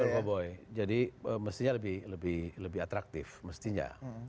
duel cowboy jadi mestinya lebih atraktif mestinya